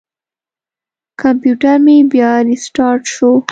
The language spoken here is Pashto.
کمپیوټر مې بیا ریستارټ شو.